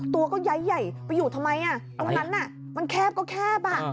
ตัวก็ย้ายใหญ่ไปอยู่ทำไมตรงนั้นมันแคบก็แคบ